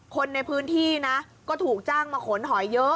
คนในพื้นที่นะก็ถูกจ้างมาขนหอยเยอะ